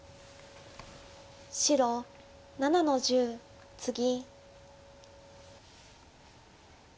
白７の十ツギ。